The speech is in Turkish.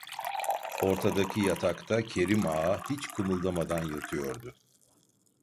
Ortadaki yatakta Kerim Ağa hiç kımıldamadan yatıyordu.